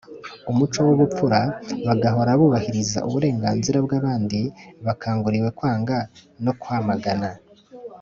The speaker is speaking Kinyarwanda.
Umuco w ubupfura bagahora bubahiriza uburenganzira bw abandi bakanguriwe kwanga no kwamagana